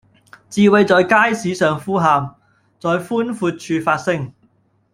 智慧在街市上呼喊，在寬闊處發聲